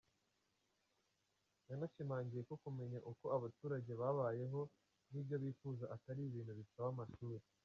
Yanashimangiye ko kumenya uko abaturage babayeho n’ibyo bifuza atari ibintu bisaba amashuri.